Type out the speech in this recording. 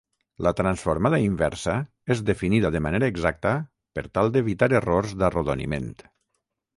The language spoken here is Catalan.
La transformada inversa és definida de manera exacta per tal d'evitar errors d'arrodoniment.